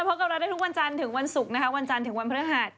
พบกับเราได้ทุกวันจันทร์ถึงวันศุกร์ถือวันพระภาษา